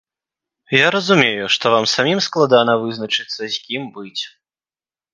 Я разумею, што вам самім складана вызначыцца, з кім быць.